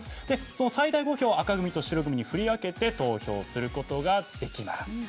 最大５票を紅組と白組に振り分けて投票することができます。